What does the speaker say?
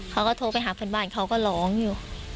เขาก็โทรไปหาเพื่อนบ้านเขาก็ร้องอยู่